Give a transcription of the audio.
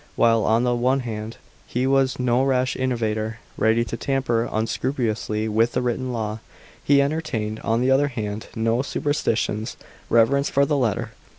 While, on the one hand, he was no rash innovator, ready to tamper unscrupulously with the written law, he entertained, on the other hand, no superstitious reverence for the letter.